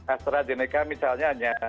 astrazeneca misalnya hanya